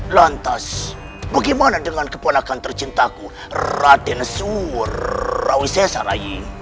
lantas bagaimana dengan keponakan tercintaku raden surawisesa rai